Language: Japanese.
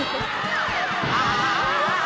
ああ。